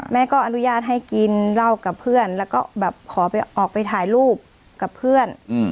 แม่ก็อนุญาตให้กินเหล้ากับเพื่อนแล้วก็แบบขอออกไปถ่ายรูปกับเพื่อน